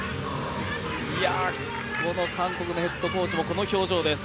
この韓国のヘッドコーチもこの表情です。